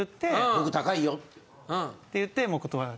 「僕高いよ」。って言ってもう断る。